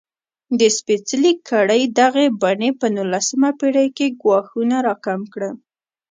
د سپېڅلې کړۍ دغې بڼې په نولسمه پېړۍ کې ګواښونه راکم کړل.